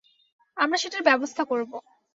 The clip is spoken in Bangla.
আমরা সেটার ব্যবস্থা করবো।